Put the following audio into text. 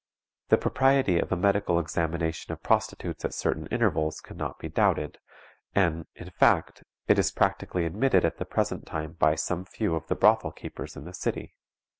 The propriety of a medical examination of prostitutes at certain intervals can not be doubted, and, in fact, it is practically admitted at the present time by some few of the brothel keepers in the city.